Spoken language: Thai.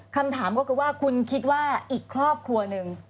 คำถามก็คือว่าคุณคิดว่าอีกครอบครัวหนึ่ง